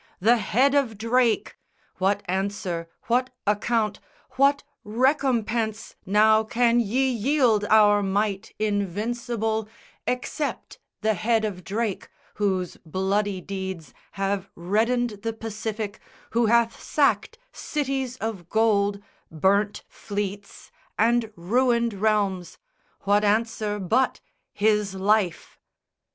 The head of Drake! What answer, what account, what recompense Now can ye yield our might invincible Except the head of Drake, whose bloody deeds Have reddened the Pacific, who hath sacked Cities of gold, burnt fleets, and ruined realms, What answer but his life?"